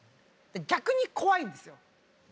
逆に怖いんですよ。